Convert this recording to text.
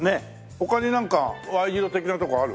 他になんかＹ字路的なとこある？